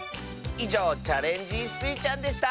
いじょう「チャレンジスイちゃん」でした！